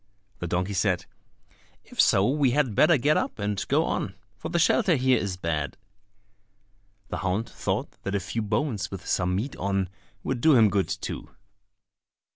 The donkey said, "If so, we had better get up and go on, for the shelter here is bad." The hound thought that a few bones with some meat on would do him good too!